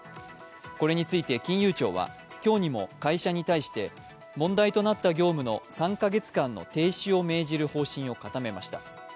これについて金融庁は、今日にも会社に対して問題となった業務の３か月間の停止を命じる方針を固めました。